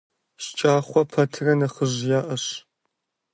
ШкӀахъуэ пэтрэ нэхъыжь яӀэщ.